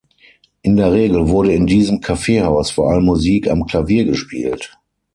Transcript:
In der Regel wurde in diesem Kaffeehaus vor allem Musik am Klavier gespielt.